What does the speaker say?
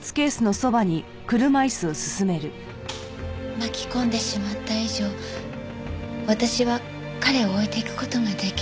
巻き込んでしまった以上私は彼を置いていく事が出来ない。